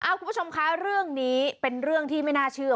คุณผู้ชมคะเรื่องนี้เป็นเรื่องที่ไม่น่าเชื่อ